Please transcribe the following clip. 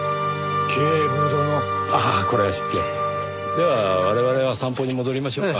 では我々は散歩に戻りましょうか。